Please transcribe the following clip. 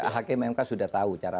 hkmmk sudah tahu cara